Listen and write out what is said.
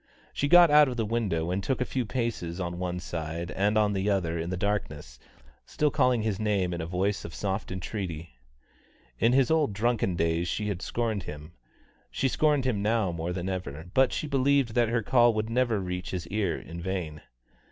She got out of the window and took a few paces on one side and on the other in the darkness, still calling his name in a voice of soft entreaty. In his old drunken days she had scorned him. She scorned him now more than ever, but she still believed that her call would never reach his ear in vain.